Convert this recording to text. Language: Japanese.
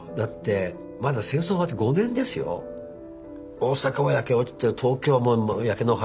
大阪は焼け落ちて東京も焼け野原